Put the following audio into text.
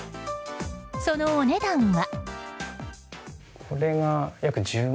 そのお値段は。